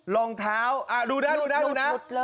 รองเท้าดูนะดูนะ